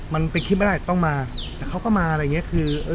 มันเป็นคลิปไม่ได้ต้องมาแต่เขาก็มาอะไรอย่างเงี้ยคือเออ